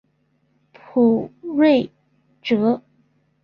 卜睿哲。